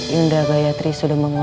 yunda gayatri sudah menanganiku